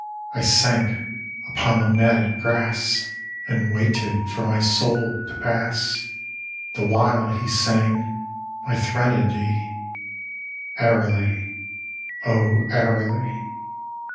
I sank upon the matted grass, 14 THE WOOD DEMON. And waited for my soul to pass, The while he sang my threnody, Airily, 0 airily.